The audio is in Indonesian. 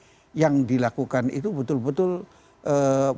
sehingga haji yang dilakukan itu betul betul berkata kata yang benar